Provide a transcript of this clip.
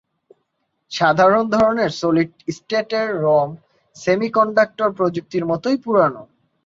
সাধারণ ধরনের সলিড স্টেটের রম সেমিকন্ডাক্টর প্রযুক্তির মতই পুরনো।